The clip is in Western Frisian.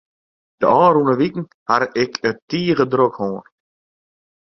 De ôfrûne wiken haw ik it tige drok hân.